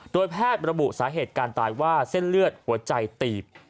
โดยแพทย์ระบุสาเหตุการตายว่าเส้นเลือดหัวใจตีบ